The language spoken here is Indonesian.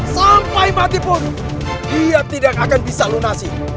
sampai mati pun dia tidak akan bisa lunasi